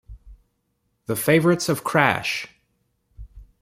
The Favorites of Crash!